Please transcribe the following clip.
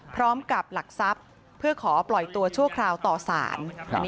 พร้อมกับหลักทรัพย์เพื่อขอปล่อยตัวชั่วคราวต่อสาร